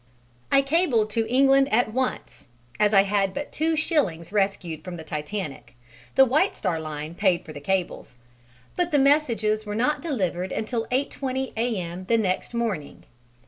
I cabled to England at once (as I had but two shillings rescued from the Titanic, the White Star Line paid for the cables), but the messages were not delivered until 8.20 A.M. next morning.